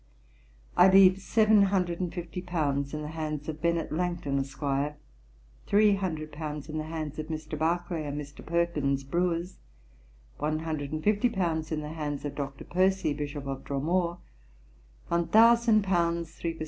I leave seven hundred and fifty pounds in the hands of Bennet Langton, Esq.; three hundred pounds in the hands of Mr. Barclay and Mr. Perkins, brewers; one hundred and fifty pounds in the hands of Dr. Percy, Bishop of Dromore; one thousand pounds, three _per cent.